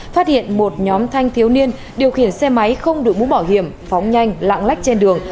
phát hiện một nhóm thanh thiếu niên điều khiển xe máy không đủ bú bỏ hiểm phóng nhanh lạng lách trên đường